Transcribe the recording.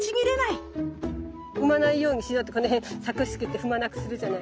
踏まないようにしようってこの辺柵仕切って踏まなくするじゃない。